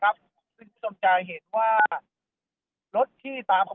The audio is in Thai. กินดอนเมืองในช่วงเวลาประมาณ๑๐นาฬิกานะครับ